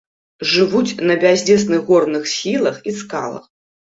Жывуць на бязлесных горных схілах і скалах.